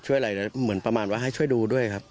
อะไรเหมือนประมาณว่าให้ช่วยดูด้วยครับ